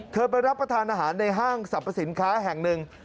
ไปรับประทานอาหารในห้างสรรพสินค้าแห่งหนึ่ง